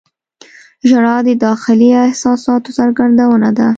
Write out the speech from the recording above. • ژړا د داخلي احساساتو څرګندونه ده.